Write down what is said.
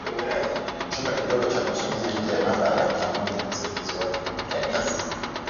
chumba kidogo cha kusomea nje ya maabara pamoja na msaidizi wake na mtu wa karibu